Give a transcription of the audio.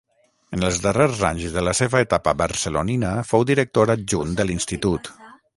En els darrers anys de la seva etapa barcelonina fou director adjunt de l'Institut.